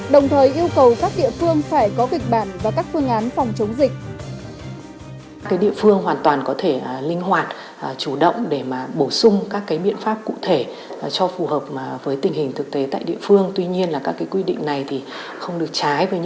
đồng thời yêu cầu các địa phương phải có kịch bản và các phương án phòng chống dịch